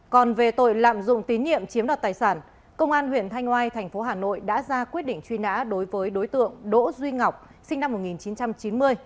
còn về tội lạm dụng tín nhiệm chiếm đoạt tài sản công an huyện thanh ngoai thành phố hà nội đã ra quyết định truy nã đối với đối tượng đỗ duy ngọc sinh năm một nghìn chín trăm chín mươi